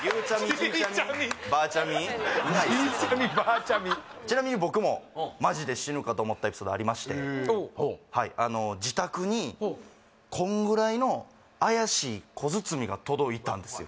じいちゃみじいちゃみばあちゃみちなみに僕もマジで死ぬかと思ったエピソードありまして自宅にこんぐらいの怪しい小包が届いたんですよ